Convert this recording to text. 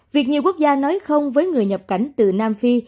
việc nhiều quốc gia nói không với người nhập cảnh từ nam phi